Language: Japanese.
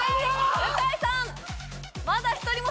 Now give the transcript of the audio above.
向井さん